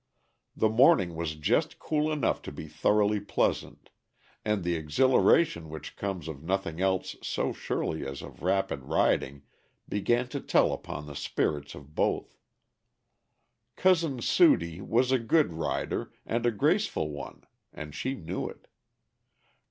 The morning was just cool enough to be thoroughly pleasant, and the exhilaration which comes of nothing else so surely as of rapid riding began to tell upon the spirits of both. Cousin Sudie was a good rider and a graceful one, and she knew it.